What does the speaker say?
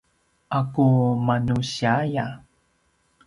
’aku manusiaya